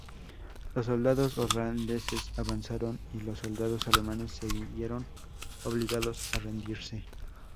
Los soldados holandeses avanzaron y los soldados alemanes se vieron obligados a rendirse.